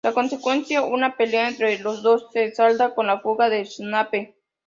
La consecuencia, una pelea entre los dos, se salda con la fuga de Snape.